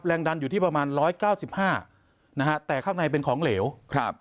ดันอยู่ที่ประมาณร้อยเก้าสิบห้านะฮะแต่ข้างในเป็นของเหลวครับ